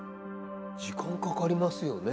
時間かかりますよね。